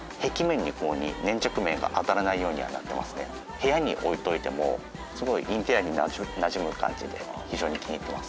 部屋に置いておいてもすごいインテリアになじむ感じで非常に気に入っています